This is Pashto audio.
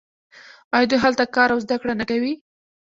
آیا دوی هلته کار او زده کړه نه کوي؟